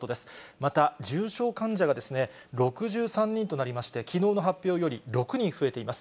また、重症患者が６３人となりまして、きのうの発表より６人増えています。